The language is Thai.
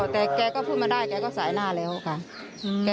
แต่แกก็พูดมาได้แกก็สายหน้าแล้วค่ะ